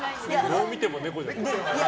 どう見ても猫じゃない。